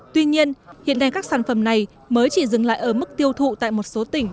tuy nhiên hiện nay các sản phẩm này mới chỉ dừng lại ở mức tiêu thụ tại một số tỉnh